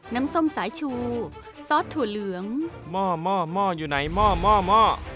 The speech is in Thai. น้ำส้มสายชูซอสถั่วเหลืองหม้อหม้อหม้ออยู่ไหนหม้อหม้อหม้อ